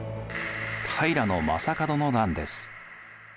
平将門の乱です。